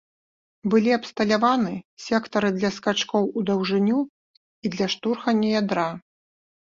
Былі абсталяваны сектары для скачкоў у даўжыню і для штурхання ядра.